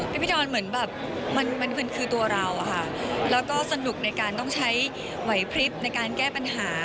พี่ดอนเหมือนแบบมันคือตัวเราอะค่ะแล้วก็สนุกในการต้องใช้ไหวพลิบในการแก้ปัญหา